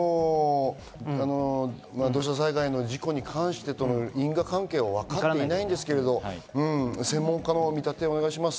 土砂災害の事故に関して因果関係はまだ分かっていないですけど専門家の見立てをお願いします。